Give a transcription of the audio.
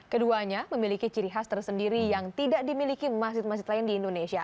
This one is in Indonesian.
keduanya memiliki ciri khas tersendiri yang tidak dimiliki masjid masjid lain di indonesia